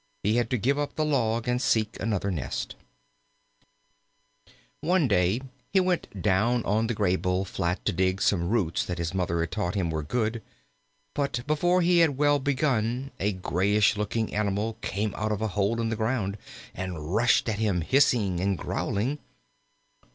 He had to give up the log and seek another nest. One day he went down on the Graybull flat to dig some roots that his Mother had taught him were good. But before he had well begun, a grayish looking animal came out of a hole in the ground and rushed at him, hissing and growling.